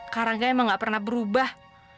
karangga emang gak pernah berubah